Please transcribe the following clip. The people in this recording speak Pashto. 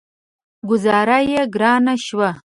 ګوذاره يې ګرانه شوه.